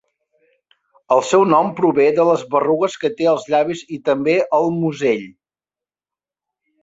El seu nom prové de les berrugues que té als llavis i també al musell.